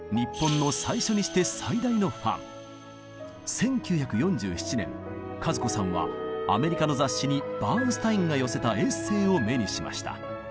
１９４７年和子さんはアメリカの雑誌にバーンスタインが寄せたエッセーを目にしました。